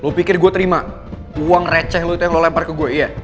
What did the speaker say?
lo pikir gue terima uang receh lo tuh yang lo lempar ke gue iya